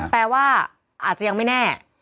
แปลว่าอาจจะยังไม่แน่